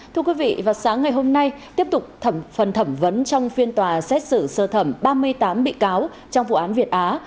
thưa quý vị vào sáng ngày hôm nay tiếp tục phần thẩm vấn trong phiên tòa xét xử sơ thẩm ba mươi tám bị cáo trong vụ án việt á